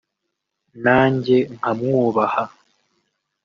nange nkamwubaha